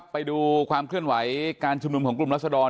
ไปดูความเคลื่อนไหวการชุมนุมของกลุ่มรัศดร